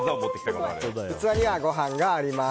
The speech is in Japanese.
器にはご飯があります。